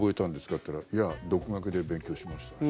って言ったらいや、独学で勉強しましたって。